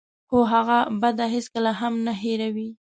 خو هغه بد هېڅکله هم نه هیروي.